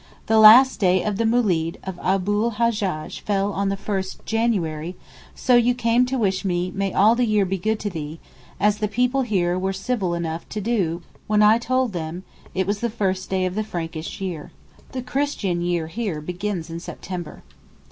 The last day of the moolid of Abu l Hajjaj fell on the 1st January so you came to wish me 'May all the year be good to thee' as the people here were civil enough to do when I told them it was the first day of the Frankish year. (The Christian year here begins in September.)